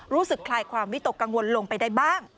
คลายความวิตกกังวลลงไปได้บ้าง